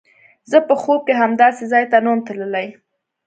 زه په خوب کښې هم داسې ځاى ته نه وم تللى.